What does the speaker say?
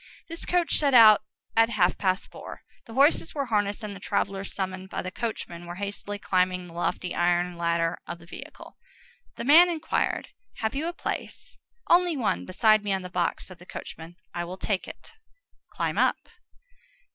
This coach set out at half past four. The horses were harnessed, and the travellers, summoned by the coachman, were hastily climbing the lofty iron ladder of the vehicle. The man inquired:— "Have you a place?" "Only one—beside me on the box," said the coachman. "I will take it." "Climb up."